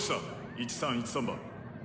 １３１３番！